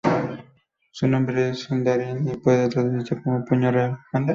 Su nombre es Sindarin y puede traducirse como "Puño Real".